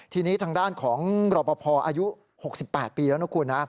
ทีนี้ทางด้านของรอปภอายุ๖๘ปีแล้วนะคุณนะ